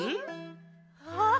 あっ！